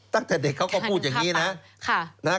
ตั้งแต่เด็กเขาก็พูดอย่างนี้นะ